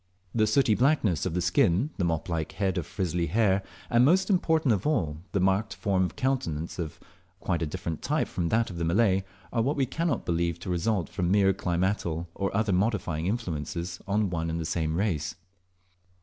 The sooty blackness of the skin, the mop like head of frizzly hair, and, most important of all, the marked form of countenance of quite a different type from that of the Malay, are what we cannot believe to result from mere climatal or other modifying influences on one and the same race.